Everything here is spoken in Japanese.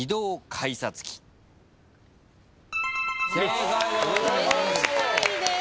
正解でございます。